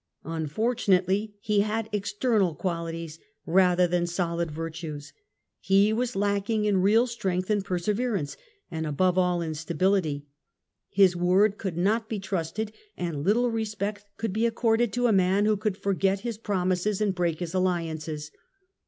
Unfortunately he had external qualities rather than solid virtues. He was lacking in real strength and perseverance and above all in stability : his word could not be trusted, and little respect could be accorded to a man who could forget his promises and break his alliances.